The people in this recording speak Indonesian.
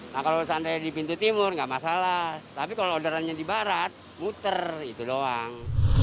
nah kalau seandainya di pintu timur nggak masalah tapi kalau orderannya di barat muter itu doang